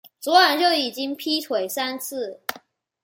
昨晚就已经劈腿三次